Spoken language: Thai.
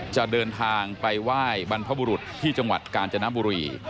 จะเดินทางไปไหว้บรรพบุรุษที่จังหวัดกาญจนบุรี